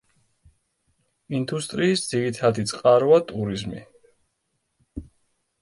ინდუსტრიის ძირითადი წყაროა ტურიზმი.